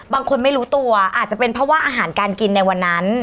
บางคนไม่รู้ตัวอาจจะเป็นเพราะว่าอาหารการกินในวันนั้น